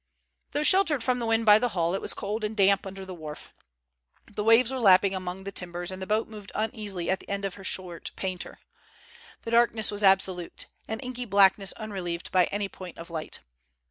Though sheltered from the wind by the hull, it was cold and damp under the wharf. The waves were lapping among the timbers, and the boat moved uneasily at the end of her short painter. The darkness was absolute—an inky blackness unrelieved by any point of light.